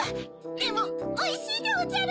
でもおいしいでおじゃる。